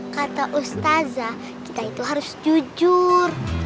kata ustazah kita itu harus jujur